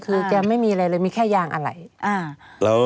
คือแกไม่มีอะไรเลยมีแค่ยางอะไร